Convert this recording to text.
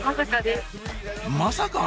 「まさか」